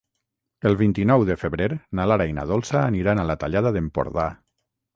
El vint-i-nou de febrer na Lara i na Dolça aniran a la Tallada d'Empordà.